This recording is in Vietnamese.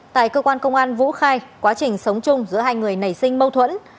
tại cơ quan công an vũ khai quá trình sống chung giữa hai người nảy sinh mâu thuẫn